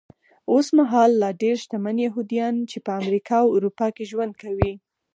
اوسمهال لا ډېر شتمن یهوديان چې په امریکا او اروپا کې ژوند کوي.